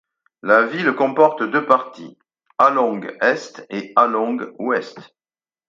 La ville comporte deux parties, Hạ Long Est et Hạ Long Ouest.